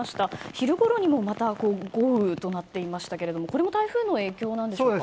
昼ごろにもまた豪雨となっていましたけどもこれも台風の影響なんでしょうか。